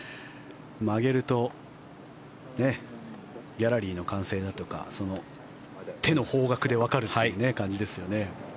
曲げるとギャラリーの歓声だとか手の方角でわかる感じですよね。